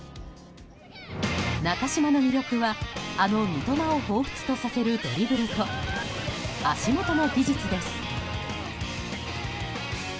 中嶋の魅力はあの三笘をほうふつとさせるドリブルと足元の技術です。